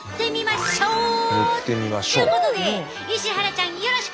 ちゅうことで石原ちゃんよろしく！